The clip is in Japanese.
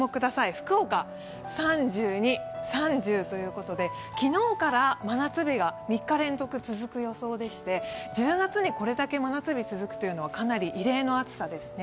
福岡３２、３０ということで、昨日から真夏日が３日連続続く予想でして１０月にこれだけ真夏日が続くというのは、かなり異例の暑さですね。